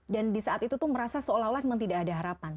dan di saat itu merasa seolah olah memang tidak ada harapan